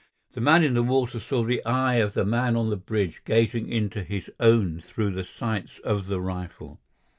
The man in the water saw the eye of the man on the bridge gazing into his own through the sights of the rifle.